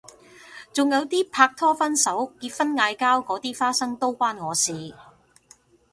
仲有啲拍拖分手結婚嗌交嗰啲花生都關我事